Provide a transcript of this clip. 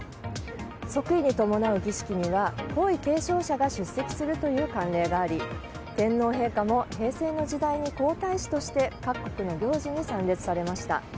即位に伴う儀式には皇位継承者が出席するという慣例があり天皇陛下も平成の時代に皇太子として各国の行事に参列されました。